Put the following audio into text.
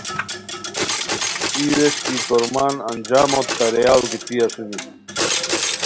ای ووݰکی کورمان انجاموت تاریاؤ گیتی اسونی